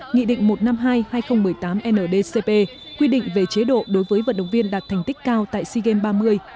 nghị định một trăm năm mươi hai hai nghìn một mươi tám ndcp quy định về chế độ đối với vận động viên đạt thành tích cao tại sea games ba mươi